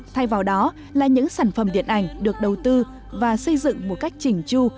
thay vào đó là những sản phẩm điện ảnh được đầu tư và xây dựng một cách chỉnh chu